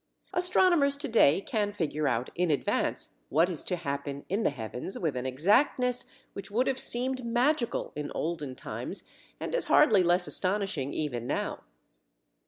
Astronomers to day can figure out in advance what is to happen in the heavens with an exactness which would have seemed magical in olden times, and is hardly less astonishing even now.